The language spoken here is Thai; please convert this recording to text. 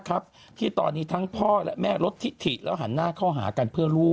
ครับที่ตอนนี้ทั้งพ่อและแม่ลดทิและหันหน้าเข้าหากัน